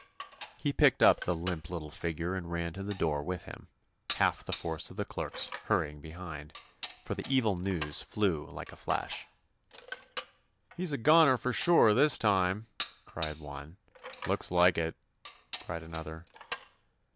He picked up the limp little figure and ran to the door with him, half the force of clerks hurrying behind, 173 THE ADVENTURES OF for the evil news flew like a flash. *'He 's a goner for sure, this time," cried one. "Looks like it," cried an other.